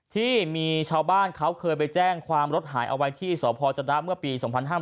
ที่มีชาวบ้านเขาเคยไปแจ้งความรถหายเอาไว้ที่สพจนะเมื่อปี๒๕๕๙